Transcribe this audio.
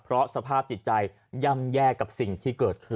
เพราะสภาพจิตใจย่ำแย่กับสิ่งที่เกิดขึ้น